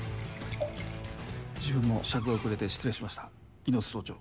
自分も酌が遅れて失礼しました猪背総長。